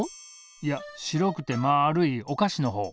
いや白くてまるいおかしのほう。